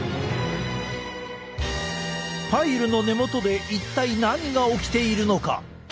パイルの根元で一体何が起きているのか？